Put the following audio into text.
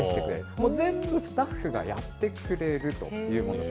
もう全部スタッフがやってくれるというものです。